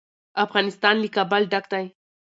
افغانستان له کابل ډک دی.